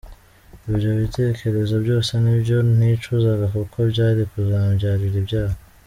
Ibyo bitekerezo byose nibyo nicuzaga kuko byari kuzambyarira ibyaha.